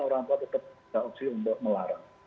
orang tua tetap ada opsi untuk melarang